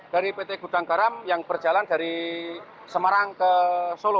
dari pt gudang garam yang berjalan dari semarang ke solo